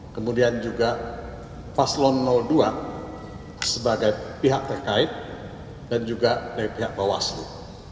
kemudian juga paslon dua sebagai pihak terkait dan juga dari pihak bawaslu